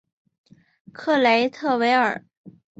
克雷特维尔。